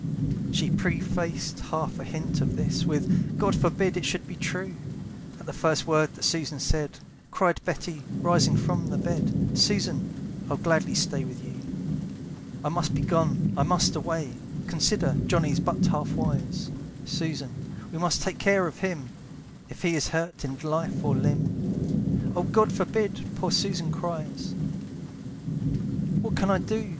She prefaced half a hint of this With, "God forbid it should be true!" At the first word that Susan said Cried Betty, rising from the bed, "Susan, I'd gladly stay with you. "I must be gone, I must away, "Consider, Johnny's but half wise; "Susan, we must take care of him, "If he is hurt in life or limb" "Oh God forbid!" poor Susan cries. "What can I do?"